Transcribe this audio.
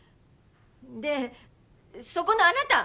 でそこのあなた！